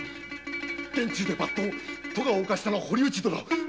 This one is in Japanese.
殿中で抜刀とがを犯したのは堀内殿。